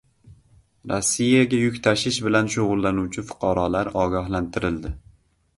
Rossiyaga yuk tashish bilan shug‘ullanuvchi fuqarolar ogohlantirildi